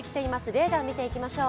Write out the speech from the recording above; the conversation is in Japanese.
レーダー見ていきましょう。